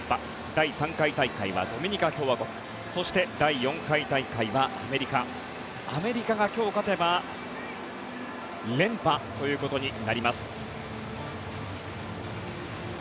第３回大会はドミニカ共和国そして、第４回大会はアメリカアメリカが今日勝てば連覇ということになります。